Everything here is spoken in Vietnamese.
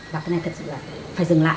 và cái này thật sự là phải dừng lại